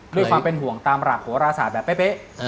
ด้วยความเป็นห่วงตามหลักโหราศาสตร์แบบเป๊ะ